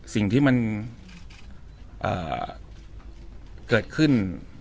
สิ่งที่มันเกิดขึ้น